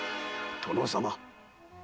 殿様。